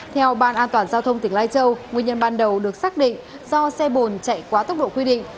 theo ban an toàn giao thông tỉnh lai châu nguyên nhân ban đầu được xác định do xe bồn chạy quá tốc độ quy định